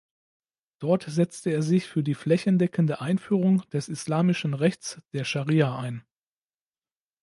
Dort setzte er sich für die flächendeckende Einführung des islamischen Rechts, der Schari'a, ein.